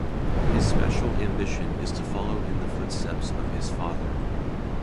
His special ambition is to follow in the footsteps of his father.